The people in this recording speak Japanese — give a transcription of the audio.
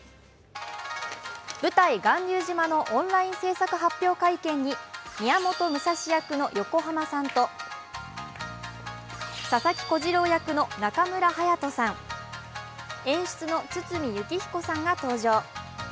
舞台「巌流島」のオンライン製作発表会見に宮本武蔵役の横浜さんと、佐々木小次郎役の中村隼人さん、演出の堤幸彦さんが登場。